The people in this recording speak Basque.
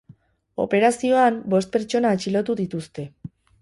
Operazioan bost pertsona atxilotu dituzte.